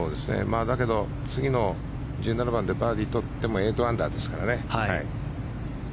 だけど次の１７番でバーディーを取っても８アンダーですからね。